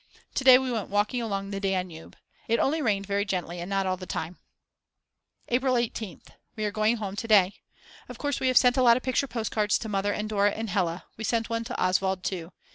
To day we went walking along the Danube. It only rained very gently and not all the time. April 18th. We are going home to day. Of course we have sent a lot of picture postcards to Mother and Dora and Hella; we sent one to Oswald too.